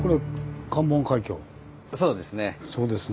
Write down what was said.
そうですね。